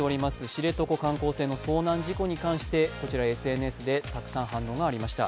知床遊覧船の遭難事故に関してＳＮＳでたくさん反応がありました。